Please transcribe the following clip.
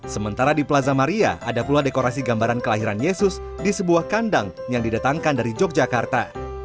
sementara di plaza maria ada pula dekorasi gambaran kelahiran yesus di sebuah kandang yang didatangkan dari yogyakarta